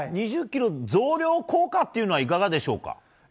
２０ｋｇ増量効果というのはいかがでしょうか。